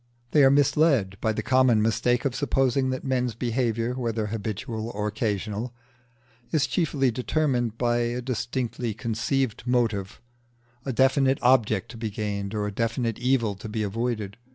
They are misled by the common mistake of supposing that men's behaviour, whether habitual or occasional, is chiefly determined by a distinctly conceived motive, a definite object to be gained or a definite evil to be avoided.